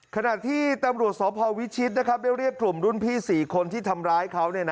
ขณะที่ตำรวจสพวิชิตได้เรียกกลุ่มรุ่นพี่๔คนที่ทำร้ายเขา